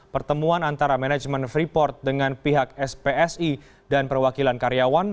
pertemuan antara manajemen freeport dengan pihak spsi dan perwakilan karyawan